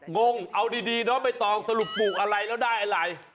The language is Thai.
งงเอาดีน้องใบตองสรุปปลูกอะไรแล้วได้อะไร